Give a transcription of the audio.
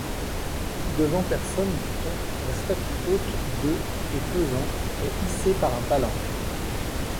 Devant personnes, dit-on, la statue haute de et pesant est hissée par un palan.